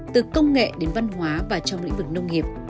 từ công nghệ đến văn hóa và trong lĩnh vực nông nghiệp